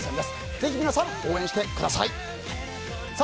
ぜひ皆さん、応援してください！